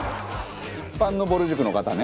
一般のぼる塾の方ね。